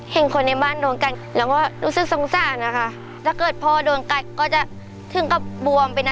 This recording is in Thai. เห็นคนในบ้านโดนกัด